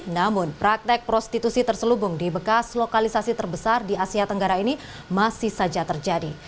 namun praktek prostitusi terselubung di bekas lokalisasi terbesar di asia tenggara ini masih saja terjadi